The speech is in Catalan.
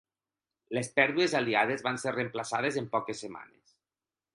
Les pèrdues aliades van ser reemplaçades en poques setmanes.